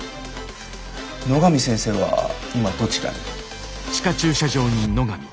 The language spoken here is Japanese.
野上先生は今どちらに？